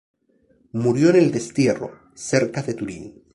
Murió en el destierro, cerca de Turín.